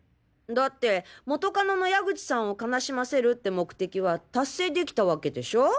だって元カノの矢口さんを悲しませるって目的は達成できた訳でしょ？